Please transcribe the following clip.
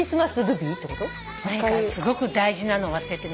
何かすごく大事なのを忘れてる。